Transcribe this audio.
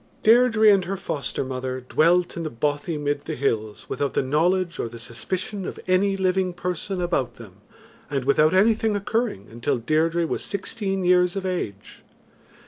Deirdre and her foster mother dwelt in the bothy mid the hills without the knowledge or the suspicion of any living person about them and without anything occurring, until Deirdre was sixteen years of age.